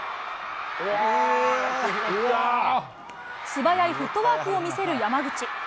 素早いフットワークを見せる山口。